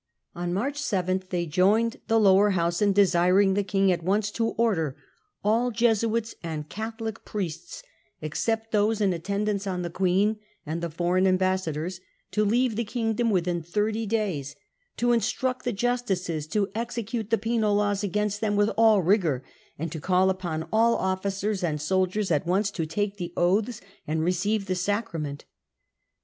On March 7 they joined the Lower House in desiring the King at once to order all Jesuits and Catholic priests, except those in attendance on the Queen and the foreign ambassadors, to leave the kingdom within thirty days ; to instruct the justices to execute the penal laws against them with all rigour ] and to call upon all officers and soldiers at once to take the oaths and receive the sacrament.